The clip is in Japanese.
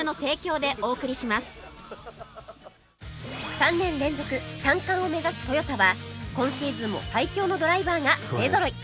３年連続３冠を目指すトヨタは今シーズンも最強のドライバーが勢ぞろい